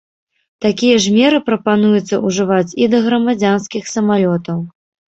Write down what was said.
Такія ж меры прапануецца ўжываць і да грамадзянскіх самалётаў.